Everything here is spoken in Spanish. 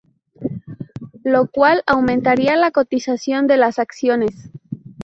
Lo cual, aumentaría la cotización de las acciones.